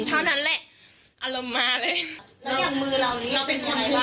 เท่านั้นแหละอารมณ์มาเลยแล้วอย่างมือเรานี้เราเป็นใครวะ